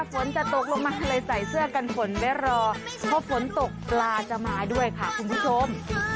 ฝนจะตกลงมาเลยใส่เสื้อกันฝนไม่รอเพราะฝนตกปลาจะมาด้วยค่ะคุณผู้ชม